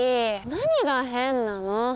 何が変なの？